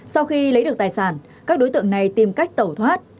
sau khi lấy được tài sản các đối tượng này tìm cách tẩu thoát